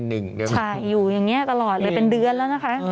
ใช่อยู่อย่างนี้ตลอดเลยเป็นเดือนแล้วนะคะ